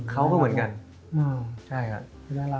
เขาก็เหมือนกันใช่ครับ